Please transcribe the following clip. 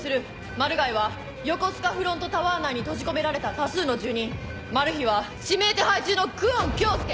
マルガイは横須賀フロントタワー内に閉じ込められた多数の住人マルヒは指名手配中の久遠京介！